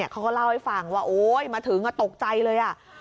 เขาก็เล่าให้ฟังว่าโอ๊ยมาถึงตกใจเลย